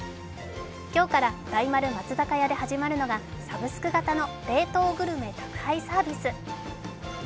今日から大丸松坂屋で始まるのがサブスク型の冷凍グルメ宅配サービス。